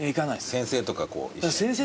先生とか一緒にね。